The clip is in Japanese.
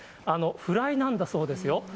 フライなんだそうですよ。